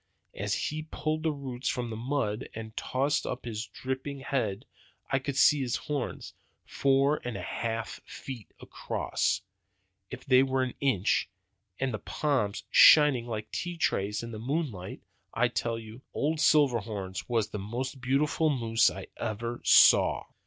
As he pulled the roots from the mud and tossed up his dripping head I could see his horns four and a half feet across, if they were an inch, and the palms shining like tea trays in the moonlight. I tell you, old Silverhorns was the most beautiful monster I ever saw.